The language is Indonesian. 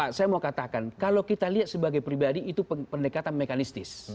nah saya mau katakan kalau kita lihat sebagai pribadi itu pendekatan mekanistis